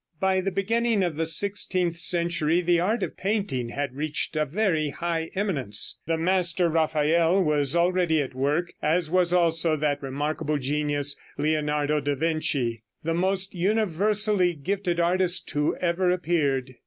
By the beginning of the sixteenth century the art of painting had reached a very high eminence; the master Raphael was already at work, as was also that remarkable genius, Leonardo da Vinci the most universally gifted artist who ever appeared.